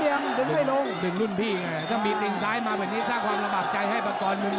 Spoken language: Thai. เอามองลงเลี่ยมเลี้ยงให้ลง